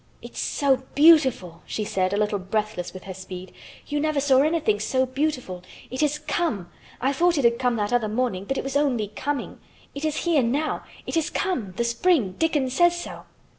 "It's so beautiful!" she said, a little breathless with her speed. "You never saw anything so beautiful! It has come! I thought it had come that other morning, but it was only coming. It is here now! It has come, the Spring! Dickon says so!"